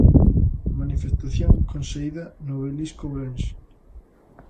Manifestación con saída no Obelisco Ourense.